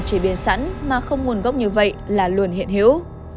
chế biến sẵn mà không nguồn gốc như vậy là luôn hiện hữu